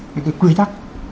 những cái quy tắc